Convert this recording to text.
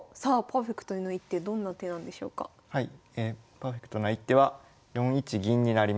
パーフェクトな一手は４一銀になります。